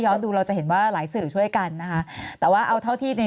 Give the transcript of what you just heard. ดูเราจะเห็นว่าหลายสื่อช่วยกันนะคะแต่ว่าเอาเท่าที่ใน